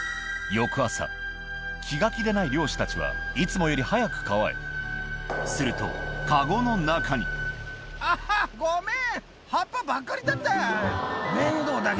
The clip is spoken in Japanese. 気が気でない漁師たちはいつもより早く川へするとカゴの中にハハっごめん！